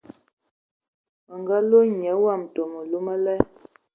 Mə nga loe nya wam nden məlu mə lal.